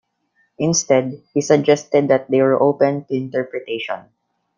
Instead, he suggested that they were open to interpretation.